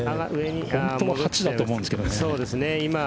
本当は８だと思うんですけどね。